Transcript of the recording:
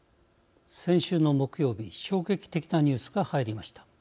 先週の木曜日衝撃的なニュースが入りました。